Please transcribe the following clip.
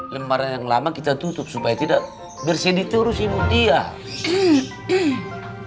lembaran yang lama kita tutup supaya tidak bersedih terus ibu diamo